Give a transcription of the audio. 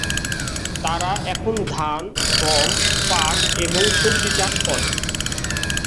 তারা এখন ধান, গম, পাট এবং সবজি চাষ করে।